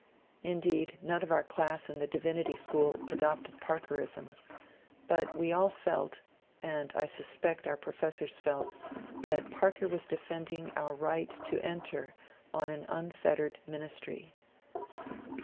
Indeed, none of our class in the Divinity School adopted " Parkerism," but we all felt — and I suspect our professors felt — that Parker was defending our right to enter on an unfettered ministry.